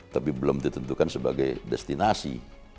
tapi belum ditentukan sebagai destinasi